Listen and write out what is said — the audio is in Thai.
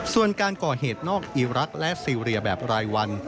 ส่วนการก่อเหตุนอกอีรักษ์และซีเรียแบบรายวัน